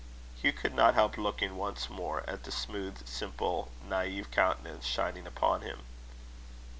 Hugh could not help looking once more at the smooth, simple, naive countenance shining upon him.